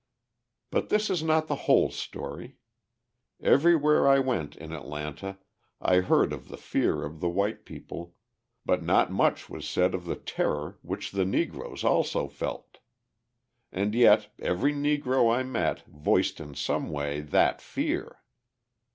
But this is not the whole story. Everywhere I went in Atlanta I heard of the fear of the white people, but not much was said of the terror which the Negroes also felt. And yet every Negro I met voiced in some way that fear.